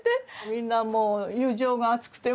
みんなもう友情があつくて。